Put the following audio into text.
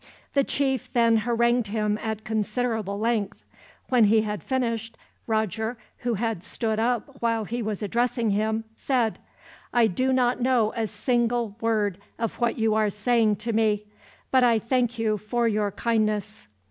The chief then harangued him at considerable length. When he had finished, Roger, who had stood up while he was addressing him, said: "I do not know a single word of what you are saying to me, but I thank you for your kindness."